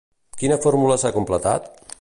Quina fórmula s'ha contemplat?